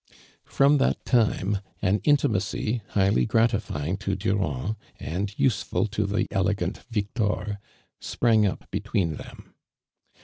From that time an intimacy, highly gra tifying to Durand and useful to tho ele gant Victor. si>rang up between them.